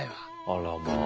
あらまあ。